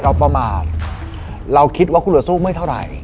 ประมาทเราคิดว่าคุณจะสู้ไม่เท่าไหร่